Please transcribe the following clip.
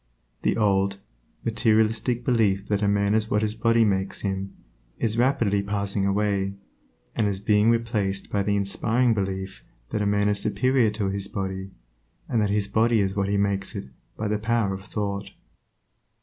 The old, materialistic belief that a man is what his body makes him, is rapidly passing away, and is being replaced by the inspiring belief that man is superior to his body, and that his body is what he makes it by the power of thought.